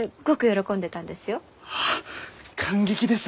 あっ感激です！